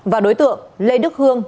và đối tượng lê đức hương